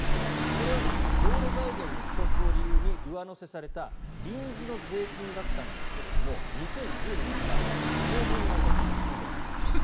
これは道路財源の不足を理由に上乗せされた臨時の税金だったんですが２０１０年から当分の間ずっと続いています。